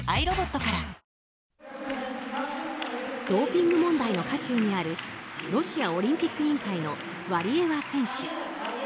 ドーピング問題の渦中にあるロシアオリンピック委員会のワリエワ選手。